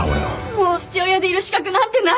もう父親でいる資格なんてない！